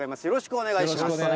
よろしくお願いします。